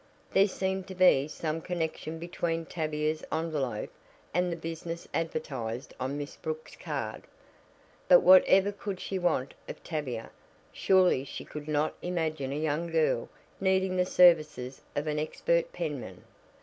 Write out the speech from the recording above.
There seemed to be some connection between Tavia's envelope and the business advertised on Miss Brooks' card. But whatever could she want of Tavia? Surely she could not imagine a young girl needing the services of an expert penman?